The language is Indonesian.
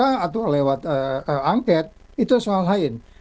atau lewat angket itu soal lain